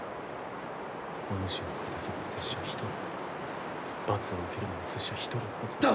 お主の敵は拙者１人罰を受けるのも拙者１人のはずだ。